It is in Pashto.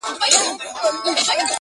همېشه ګرځي په ډلو پر مردارو٫